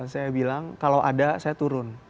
saya bilang kalau ada saya turun